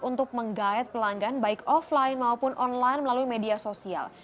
untuk menggayat pelanggan baik offline maupun online melalui media sosial